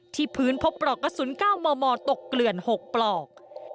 ที่พื้นพบปลอกกระสุน๙มมตกเกลื่อน๖ปลอก